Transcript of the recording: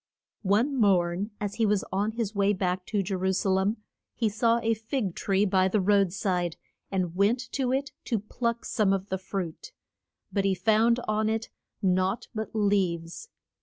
One morn as he was on his way back to Je ru sa lem he saw a fig tree by the road side, and went to it to pluck some of the fruit. But he found on it naught but leaves.